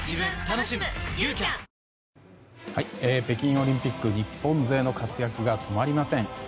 北京オリンピック日本勢の活躍が止まりません。